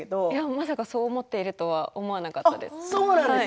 まさかそう思っているとは思わなかったです。